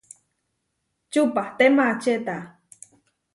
Čupaté maačeta.